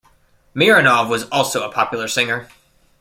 Mironov was also a popular singer.